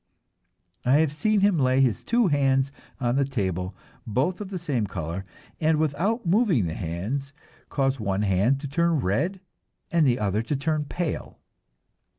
I have seen him lay his two hands on the table, both of the same color, and without moving the hands, cause one hand to turn red and the other to turn pale.